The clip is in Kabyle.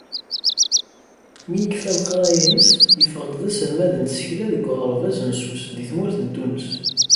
Mi yekfa leqraya-ines, yeffeɣ-d d aselmad n tsekla deg uɣerbaz n Sus di tmurt n Tunes.